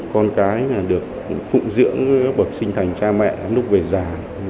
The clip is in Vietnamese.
con cái là được phụng dưỡng bậc sinh thành cha mẹ lúc về già